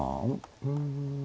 うん。